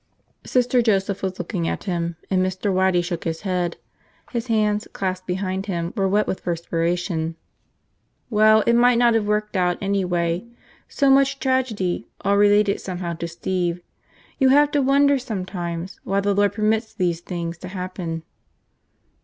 Sister Joseph was looking at him, and Mr. Waddy shook his head. His hands, clasped behind him, were wet with perspiration. "Well, it might not have worked out, anyway. So much tragedy, all related somehow to Steve. You have to wonder, sometimes, why the Lord permits these things to happen."